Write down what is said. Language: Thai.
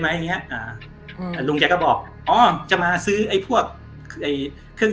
อย่างเงี้ยอ่าอืมลุงแกก็บอกอ๋อจะมาซื้อไอ้พวกไอ้เครื่อง